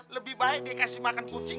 lebih baik dikasih makan kucing